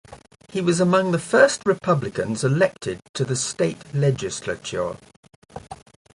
He was among the first Republicans elected to the state legislature.